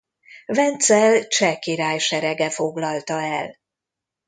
Vencel cseh király serege foglalta el.